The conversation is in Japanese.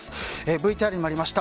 ＶＴＲにもありました